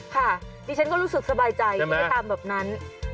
ดิฉันก็รู้สึกสบายใจที่ได้ตามแบบนั้น